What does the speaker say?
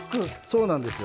そうなんですよ。